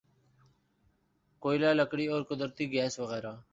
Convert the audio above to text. کوئلہ لکڑی اور قدرتی گیس وغیرہ